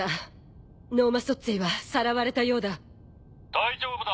大丈夫だ。